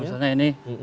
nah misalnya ini